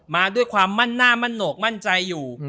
มาด้วยความมั่นหน้ามั่นโหนกมั่นใจอยู่